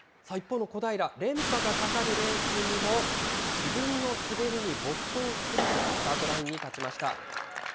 さあ、一方の小平、連覇がかかるレースにも、自分の滑りに没頭すると、スタートラインに立ちました。